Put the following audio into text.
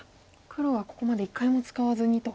黒はここまで一回も使わずにと。